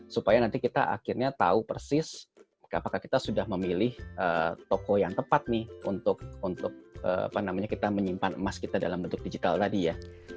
supaya nanti kita akhirnya tahu persis apakah kita sudah memilih toko yang tepat nih untuk apa namanya kita menyimpan emas kita dalam bentuk digital tadi ya